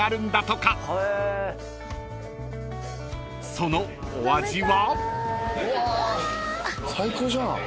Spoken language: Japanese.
［そのお味は？］